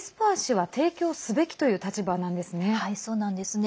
はい、そうなんですね。